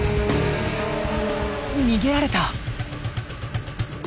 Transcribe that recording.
逃げられた！